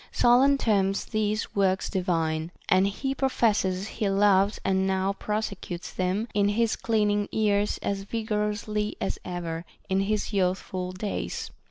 Solon terms these works divine, and he professes he loves and now prosecutes them in his de clining years as vigorously as ever in his youthful days.